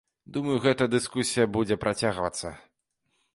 Думаю, гэта дыскусія будзе працягвацца.